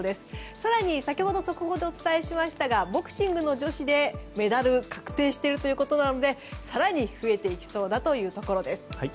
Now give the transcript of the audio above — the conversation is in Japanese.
更に先ほど速報でお伝えしましたがボクシングの女子でメダルが確定しているということなので更に増えていきそうというところです。